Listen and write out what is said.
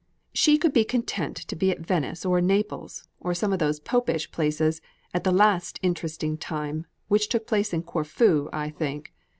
"She could be content to be at Venice or Naples, or some of those Popish places, at the last 'interesting time,' which took place in Corfu, I think.